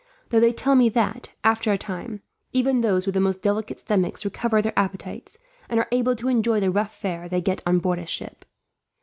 Though they tell me that, after a time, even those with the most delicate stomachs recover their appetites, and are able to enjoy the rough fare they get on board a ship."